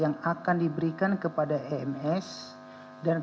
gak ada pertanyaan